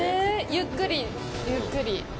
ゆっくりゆっくり。